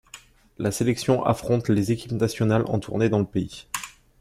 La sélection affronte les équipes nationales en tournée dans le pays.